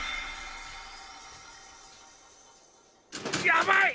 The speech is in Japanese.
やばい！